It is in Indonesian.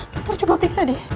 dokter coba periksa deh